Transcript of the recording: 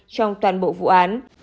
trong toàn bộ vụ án